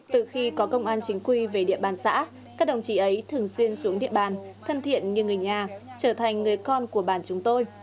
từ khi có công an chính quy về địa bàn xã các đồng chí ấy thường xuyên xuống địa bàn thân thiện như người nhà trở thành người con của bản chúng tôi